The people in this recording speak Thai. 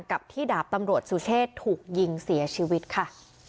กับที่ดาบตำรวจสุเชษถูกยิงเสียชีวิตค่ะ